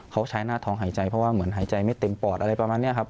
เขาใช้หน้าท้องหายใจเพราะว่าเหมือนหายใจไม่เต็มปอดอะไรประมาณนี้ครับ